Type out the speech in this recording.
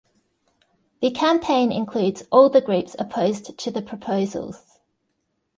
The campaign includes all the groups opposed to the proposals.